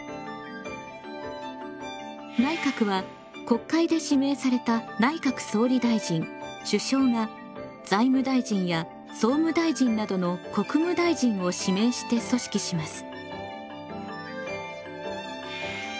内閣は国会で指名された内閣総理大臣首相が財務大臣や総務大臣などの国務大臣を指名して組織します。